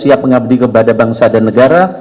siap mengabdi kepada bangsa dan negara